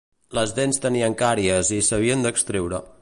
Les dents tenien càries i s'havien d'extreure.